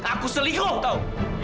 aku selingkuh kau